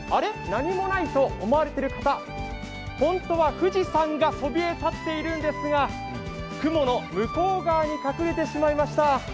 何もないと思われている方、本当は富士山がそびえ立っているんですが雲の向こう側に隠れてしまいました。